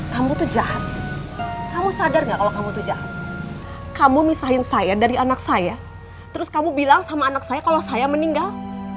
kamu tuh jahat kamu sadar nggak kalau kamu tuh jahat kamu misahin saya dari anak saya terus kamu bilang sama anak saya kalau saya meninggal